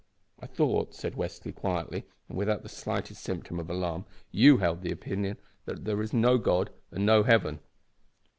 "I thought," said Westly, quietly, and without the slightest symptom of alarm, "you held the opinion that there is no God and no heaven."